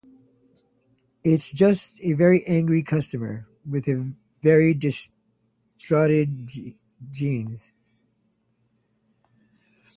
It's just a very angry customer with very desaturated jeans.